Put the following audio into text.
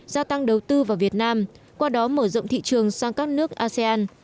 gia tăng đầu tư vào việt nam qua đó mở rộng thị trường sang các nước asean